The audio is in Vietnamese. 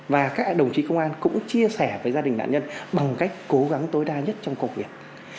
và các đồng chí công an cũng chia sẻ với gia đình nạn nhân bằng cách cố gắng tối đa nhất trong công việc